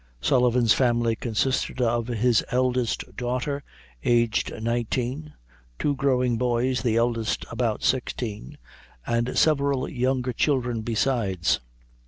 Sullivan's family consisted of his eldest daughter, aged nineteen, two growing boys, the eldest about sixteen, and several younger children besides.